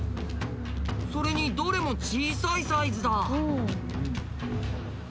それにどれも小さいサイズだ。